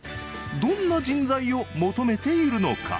どんな人材を求めているのか？